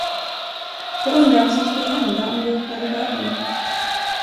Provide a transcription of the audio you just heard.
Jag undrar vad som skulle hända om du öppnade dörren.